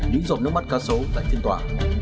những giọt nước mắt cá sấu tại thiên tòa